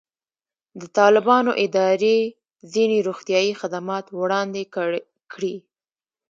د طالبانو ادارې ځینې روغتیایي خدمات وړاندې کړي.